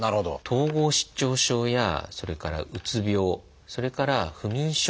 統合失調症やそれからうつ病それから不眠症。